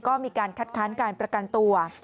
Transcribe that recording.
ก็มีการคัดค้านการประกันตัว